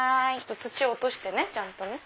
土落としてねちゃんとね。